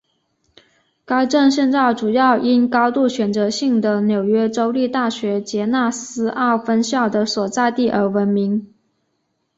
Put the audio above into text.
该镇现在主要因高度选择性的纽约州立大学杰纳西奥分校的所在地而闻名。